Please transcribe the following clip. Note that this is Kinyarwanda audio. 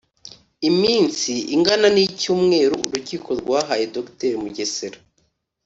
Iminsi ingana n’icyumweru urukiko rwahaye Dr Mugesera